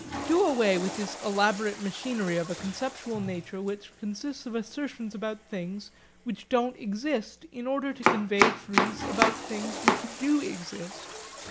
Do away with this elaborate machinery of a conceptual nature which consists of assertions about things which don't exist in order to convey truths about things which do exist.